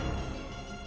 pergi ke sana